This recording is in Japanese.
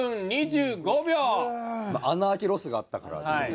穴開けロスがあったからですよね。